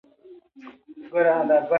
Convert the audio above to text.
هره ورځ يې ټکي په ټکي په لږ لوړ غږ تکراروئ.